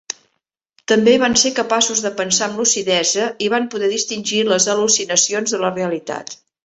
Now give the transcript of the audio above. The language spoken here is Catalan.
També van ser capaços de pensar amb lucidesa i van poder distingir les al·lucinacions de la realitat.